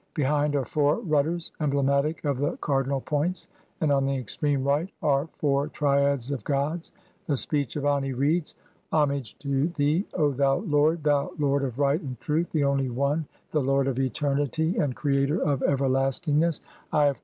Behind are four rudders, emblematic of the cardinal points, and on the extreme right are four triads of gods. The speech of Ani reads :— "Ho "mage to thee, O thou lord, thou lord of right and truth, the only One, "the lord of eternity and creator of everlastingness, I have come unto 1.